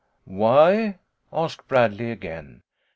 " Why ?" asked Bradley again.